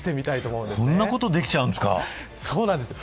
こんなことできちゃうんですか。